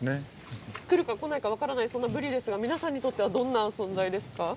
来るか来ないか分からない、そんなブリですが、皆さんにとってはどんな存在ですか。